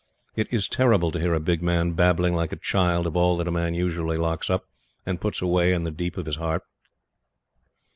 It is terrible to hear a big man babbling like a child of all that a man usually locks up, and puts away in the deep of his heart.